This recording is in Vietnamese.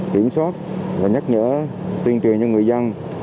kiểm soát nhắc nhở tuyên truyền cho người dân